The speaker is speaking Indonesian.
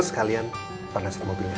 sekalian panasin mobilnya